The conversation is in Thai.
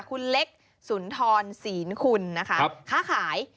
คุณเล็กสุนทรศีลคุณนะคะค้าขาย